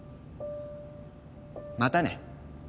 またね。